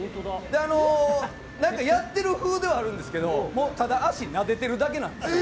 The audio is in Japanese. であのなんかやってる風ではあるんですけどただ足なでてるだけなんです。